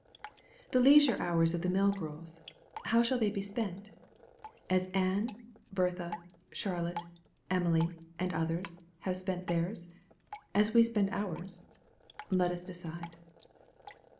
The leisure hours of the mill girls how shall they be spent? As Ann, Bertha, Charlotte, Emily, and others, spent theirs? as we spend ours? Let us decide.